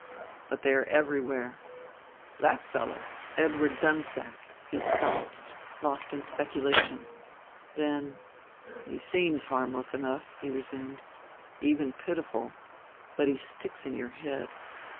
But they are everywhere. That fellow, Edward Dunsack " he stopped, lost in speculation. Then, "He seems harmless enough," he resumed, "even pitiful; but he sticks in your head.